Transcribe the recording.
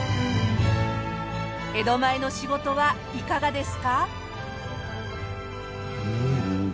江戸前の仕事はいかがですか？